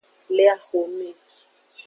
Le axome.